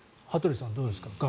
羽鳥さん、どうですか。